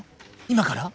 今から？